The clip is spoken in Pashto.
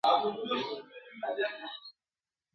زیارت کوم نه را رسیږي!!